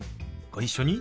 ご一緒に。